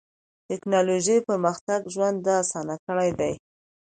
د ټکنالوجۍ پرمختګ ژوند اسان کړی دی.